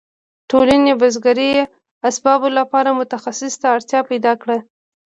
ټولنې د بزګرۍ اسبابو لپاره متخصص ته اړتیا پیدا کړه.